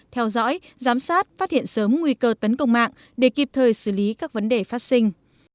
theo dõi giám sát phát hiện sớm nguy cơ tấn công mạng để kịp thời xử lý các vấn đề phát sinh